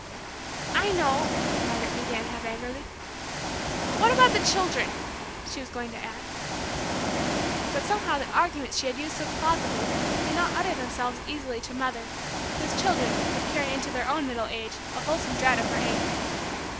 "I know," Margaret began, half angrily; "but what about the children?" she was going to add. But somehow the arguments she had used so plausibly did not utter themselves easily to Mother, whose children would carry into their own middle age a wholesome dread of her anger.